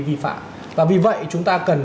vi phạm và vì vậy chúng ta cần